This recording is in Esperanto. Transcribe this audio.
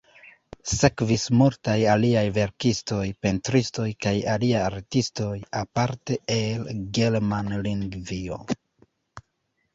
Sekvis multaj aliaj verkistoj, pentristoj kaj aliaj artistoj, aparte el Germanlingvio.